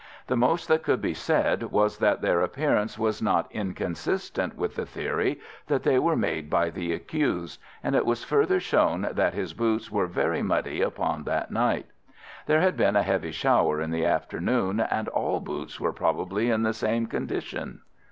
The most that could be said was that their appearance was not inconsistent with the theory that they were made by the accused, and it was further shown that his boots were very muddy upon that night. There had been a heavy shower in the afternoon, and all boots were probably in the same condition.